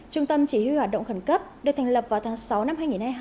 trung tâm chỉ huy hoạt động khẩn cấp được thành lập vào tháng sáu năm hai nghìn hai mươi hai